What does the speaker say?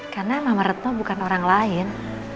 karena mama retno bukan orang lain